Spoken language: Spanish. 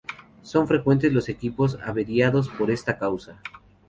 Son frecuentes los equipos averiados por esta causa.